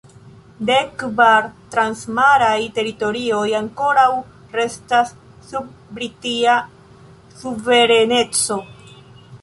Dekkvar transmaraj teritorioj ankoraŭ restas sub Britia suvereneco.